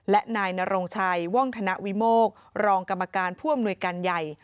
และนายนรงชัยว่องธนวิโมกรองกรรมการผู้อำนวยการใหญ่